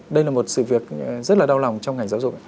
đây là một sự việc rất là đau lòng trong ngành giáo dục